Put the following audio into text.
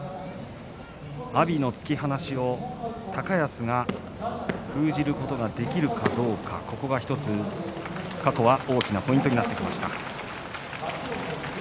阿炎の突き放しを高安が封じることができるかどうかここが１つ、過去は大きなポイントになってきました。